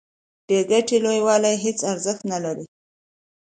بې ګټې لویوالي هیڅ ارزښت نلري.